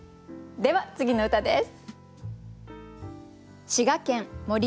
では次の歌です。